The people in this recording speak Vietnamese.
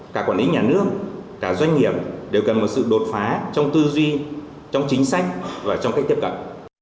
cả quản lý nhà nước cả doanh nghiệp đều cần một sự đột phá trong tư duy trong chính sách và trong cách tiếp cận